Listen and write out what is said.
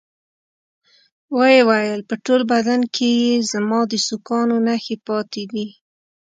ويې ويل په ټول بدن کښې يې زما د سوکانو نخښې پاتې دي.